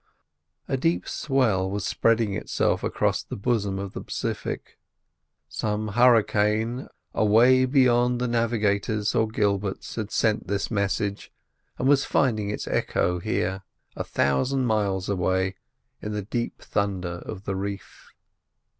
A deep swell was spreading itself across the bosom of the Pacific. Some hurricane away beyond the Navigators or Gilberts had sent this message and was finding its echo here, a thousand miles away, in the deeper thunder of the reef.